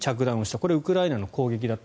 これ、ウクライナの攻撃だった。